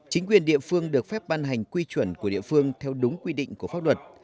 chính quyền địa phương được phép ban hành quy chuẩn của địa phương theo đúng quy định của pháp luật